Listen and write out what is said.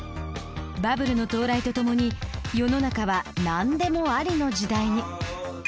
バブルの到来とともに世の中は何でもありの時代に。